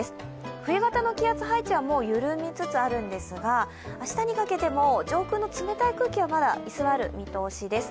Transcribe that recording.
冬型の気圧配置はもう緩みつつあるんですが、明日にかけても上空の冷たい空気はまだ居座る見通しです。